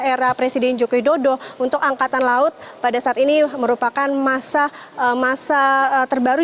era presiden joko widodo untuk angkatan laut pada saat ini merupakan masa terbaru